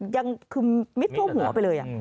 ยังคือมิดทั่วหัวไปเลย